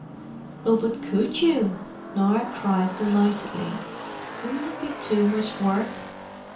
"Oh, but could you?" Norah cried delightedly. "Wouldn't it be too much work?"